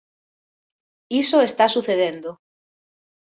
Iso está sucedendo.